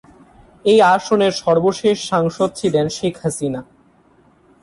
এই আসনের সর্বশেষ সাংসদ ছিলেন শেখ হাসিনা।